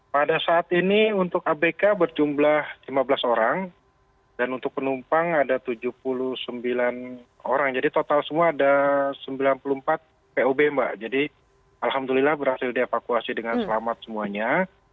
pada saat ini untuk abk berjumlah lima belas orang dan untuk penumpang ada tujuh puluh sembilan orang jadi total semua ada sembilan puluh empat pob mbak jadi alhamdulillah berhasil dievakuasi dengan selamat semuanya